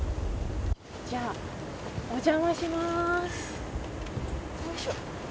じゃあ、お邪魔します。